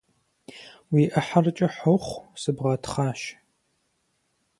Уи Ӏыхьэр кӀыхь ухъу, сыбгъэтхъащ!